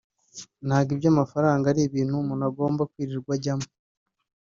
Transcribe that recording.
ntabwo iby’amafaranga ari ibintu umuntu agomba kwirirwa ajyamo”